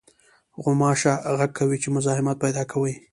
غوماشه غږ کوي چې مزاحمت پېدا کوي.